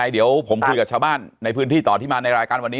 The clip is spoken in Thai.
เดี๋ยวผมคุยกับชาวบ้านในพื้นที่ต่อที่มาในรายการวันนี้